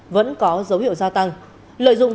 vẫn có dấu hiệu gia tăng lợi dụng